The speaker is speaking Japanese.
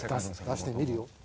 出してみるよ。